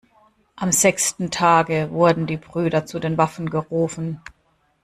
Am sechsten Tage wurden die Brüder zu den Waffen gerufen.